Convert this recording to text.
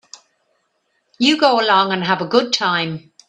You go along and have a good time.